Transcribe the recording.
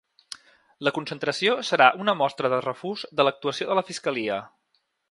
La concentració serà una mostra de refús de l’actuació de la fiscalia.